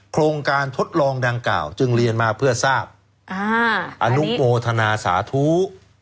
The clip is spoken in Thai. โครงการทดลองดังกล่าวจึงเรียนมาเพื่อทราบอนุโมทนาสาธุ